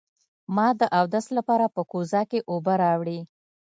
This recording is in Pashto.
ما د اودس لپاره په کوزه کې اوبه راوړې.